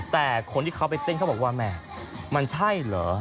แต่คนที่เขาไปเต้นเขาบอกว่าแม่มันใช่เหรอ